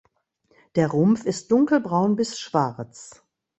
Der Rumpf ist dunkelbraun bis schwarz.